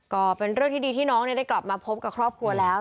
ก็เป็นเรื่องที่ดีที่น้องได้กลับมาพบกับครอบครัวแล้ว